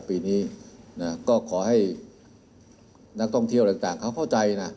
ปีนี้ก็ขอให้นักท่องเที่ยวต่างเขาเข้าใจนะ